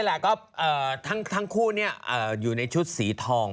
อ่าทั้งคู่เนี่ยอยู่ในชุดสีทอง